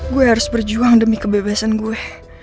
gue harus berjuang demi kebebasan gue